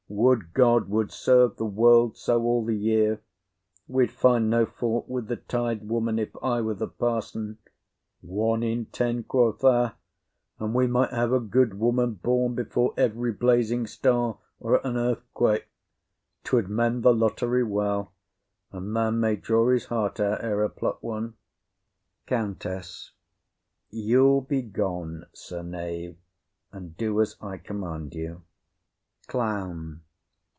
Would God would serve the world so all the year! We'd find no fault with the tithe woman, if I were the parson. One in ten, quoth 'a! And we might have a good woman born but or every blazing star, or at an earthquake, 'twould mend the lottery well; a man may draw his heart out ere he pluck one. COUNTESS. You'll be gone, sir knave, and do as I command you! CLOWN.